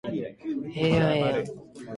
秋田県八郎潟町